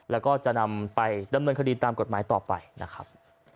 แล้วก็จะนำไปดำเนินคดีตามกฎหมายต่อไปนะครับ